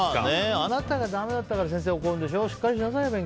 あなたがだめだったから先生が怒るんでしょ